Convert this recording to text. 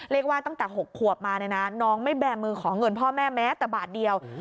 เรียกว่าตั้งแต่๖ขวบมาน้องไม่แบมมือขอเงินพ่อแม่แม้แต่บาทเดียว